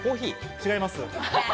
違います。